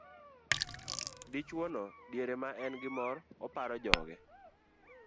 Dichwo no diere ma en gi mor, oparo joge